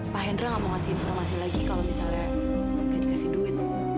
pak hendra nggak mau ngasih informasi lagi kalau misalnya nggak dikasih duit